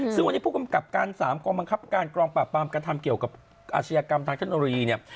ซึ่งวันนี้ผู้กำกับการ๓กองบังคับการกองปราบปรามกระทำเกี่ยวกับอาชญากรรมทางเทคโนโลยีเนี่ย